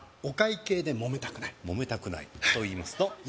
お会計でモメたくないモメたくないといいますと？